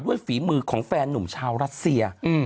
ฝีมือของแฟนหนุ่มชาวรัสเซีย